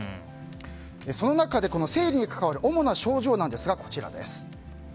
その中で生理に関わる主な症状がこちら。